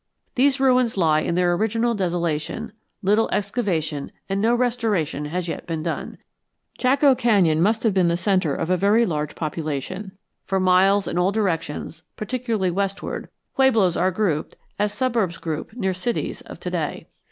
These ruins lie in their original desolation; little excavation, and no restoration has yet been done. Chaco Canyon must have been the centre of a very large population. For miles in all directions, particularly westward, pueblos are grouped as suburbs group near cities of to day.